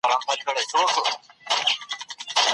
د بدن اوبو کموالی مه پرېږده